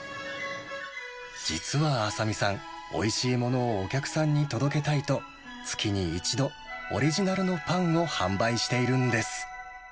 実は麻未さん、おいしいものをお客さんに届けたいと、月に１度、オリジナルのパンを販売しているんです。